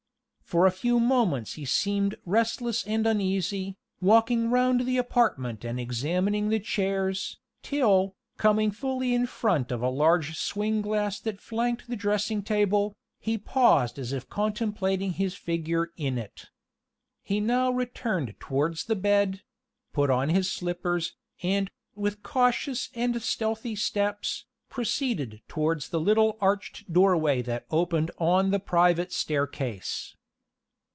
For a few moments he seemed restless and uneasy, walking round the apartment and examining the chairs, till, coming fully in front of a large swing glass that flanked the dressing table, he paused as if contemplating his figure in it. He now returned towards the bed; put on his slippers, and, with cautious and stealthy steps, proceeded towards the little arched doorway that opened on the private staircase.